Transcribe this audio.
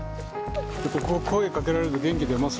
声かけられると元気出ます？